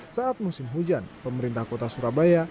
saat musim hujan pemerintah kota surabaya